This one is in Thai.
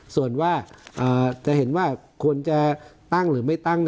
ส่วนว่าจะเห็นว่าควรจะตั้งหรือไม่ตั้ง